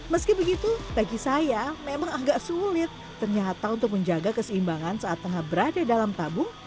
meski begitu bagi saya memang agak sulit ternyata untuk menjaga keseimbangan saat tengah berada dalam tabung